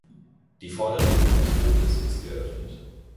Die vordere Luke des Bootes ist geöffnet.